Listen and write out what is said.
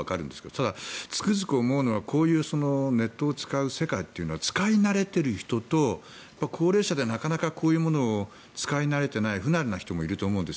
ただ、つくづく思うのはこういうネットを使う世界は使い慣れている人と高齢者でなかなかこういうものを使い慣れていない不慣れな人もいると思うんです。